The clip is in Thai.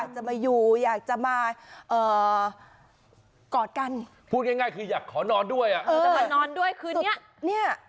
จะไปอยู่อยากจะมาเอ่อก่อนกันพูดง่ายคืออยากขอนอนด้วยนอนด้วยคือเนี่ย